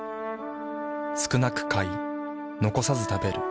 少なく買い残さず食べる。